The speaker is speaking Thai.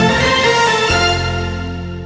โอ้โหไทยแลนด์